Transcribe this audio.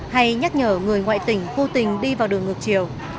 hay nhắc nhở người ngoại tỉnh vô tình đi vào đường ngược chiều